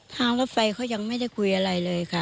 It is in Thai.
รถไฟเขายังไม่ได้คุยอะไรเลยค่ะ